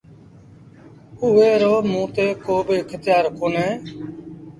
اُئي رو موٚنٚ تي ڪو با اکتيآر ڪونهي۔